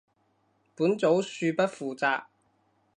本組恕不負責